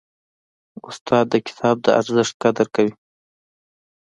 استاد د کتاب د ارزښت قدر کوي.